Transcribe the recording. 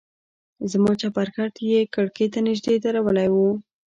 زما چپرکټ يې کړکۍ ته نژدې درولى و.